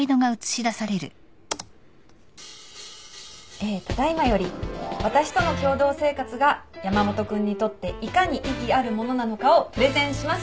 えただ今より私との共同生活が山本君にとっていかに意義あるものなのかをプレゼンします。